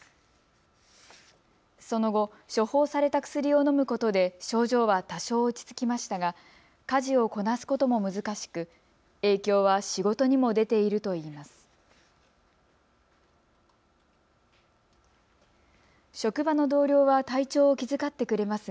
その後、処方された薬を飲むことで症状は多少落ち着きましたが家事をこなすことも難しく、影響は仕事にも出ているといいます。